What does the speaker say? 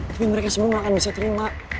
tapi mereka semua nggak akan bisa terima